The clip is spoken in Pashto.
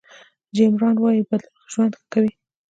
جیم ران وایي بدلون ژوند ښه کوي.